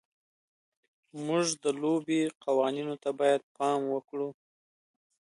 موږ د لوبې قوانینو ته باید پام وکړو.